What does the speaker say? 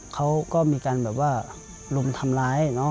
เขาก็มีการรุ่มทำร้าย